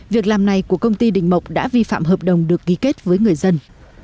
việc làm này của công ty đình mộc đã vi phạm hợp đồng được ghi kết với người dân